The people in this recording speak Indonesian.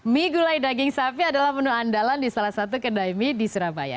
mie gulai daging sapi adalah menu andalan di salah satu kedai mie di surabaya